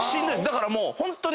だからもうホントに。